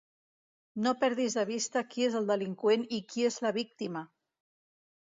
No perdis de vista qui és el delinqüent i qui és la víctima!